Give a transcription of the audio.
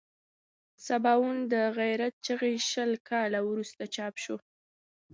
سباوون د غیرت چغې شل کاله وروسته چاپ شوه.